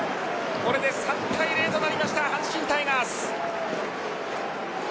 これで３対０となりました阪神タイガース。